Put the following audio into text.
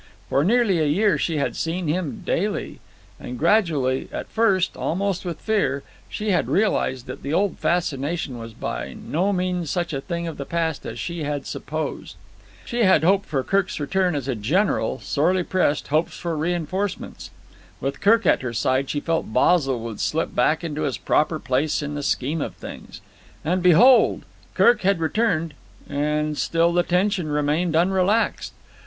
For nearly a year she had seen him daily; and gradually—at first almost with fear—she had realized that the old fascination was by no means such a thing of the past as she had supposed. She had hoped for Kirk's return as a general, sorely pressed, hopes for reinforcements. With Kirk at her side she felt Basil would slip back into his proper place in the scheme of things. And, behold! Kirk had returned and still the tension remained unrelaxed.